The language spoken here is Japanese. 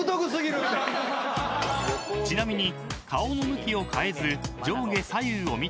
［ちなみに］